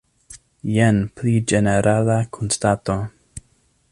Jen pli ĝenerala konstato.